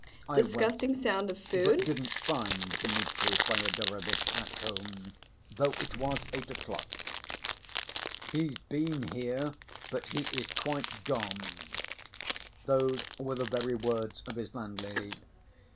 I went, but didn't find Dmitri Fyodorovitch at home, though it was eight o'clock. 'He's been here, but he is quite gone,' those were the very words of his landlady.